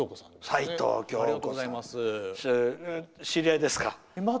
知り合いですか？